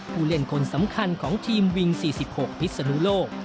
ผู้เล่นคนสำคัญของทีมวิง๔๖พิศนุโลก